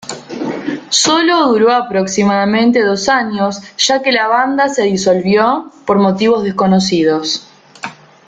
Sólo duró aproximadamente dos años ya que la banda se disolvió por motivos desconocidos.